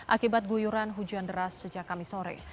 akibat guyuran hujan deras sejak kami sore